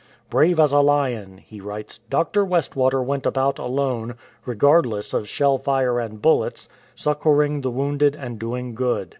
" Brave as a lion," he G 97 MR. B. BURLEIGH'S TESTIMONY writes, " Dr. Westwater went about alone, regardless of shell fire and bullets, succouring the wounded and doing good.